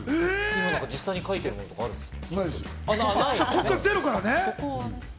実際、書いてるものはあるんですか？